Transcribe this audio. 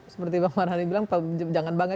seperti mbak mardhani bilang jangan bangga